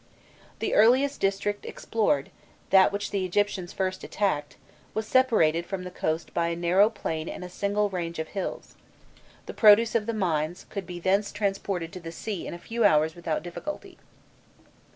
The earliest district explored, that which the Egyptians first attacked, was separated from the coast by a narrow plain and a single range of hills: the produce of the mines could be thence transported to the sea in a few hours without difficulty.